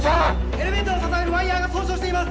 エレベーターを支えるワイヤが損傷しています！